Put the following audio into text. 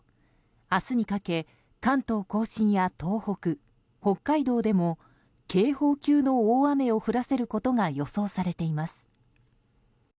明日にかけ関東・甲信や東北、北海道でも警報級の大雨を降らせることが予想されています。